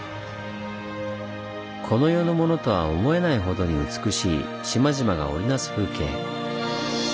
この世のものとは思えないほどに美しい島々が織り成す風景。